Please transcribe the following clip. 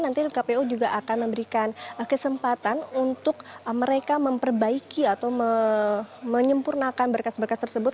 dan nanti kpu juga akan memberikan kesempatan untuk mereka memperbaiki atau menyempurnakan berkas berkas tersebut